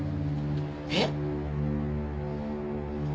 えっ？